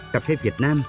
cà phê việt nam